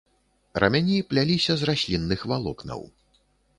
Рамяні пляліся з раслінных валокнаў.